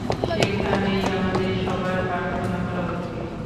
সেখানেই আমাদের সবার প্রার্থনা করা উচিত।